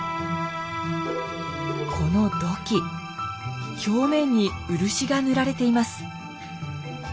この土器表面に漆が塗られています。